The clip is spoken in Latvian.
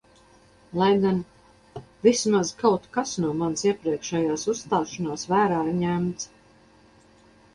Lai gan – vismaz kaut kas no manas iepriekšējās uzstāšanās vērā ir ņemts.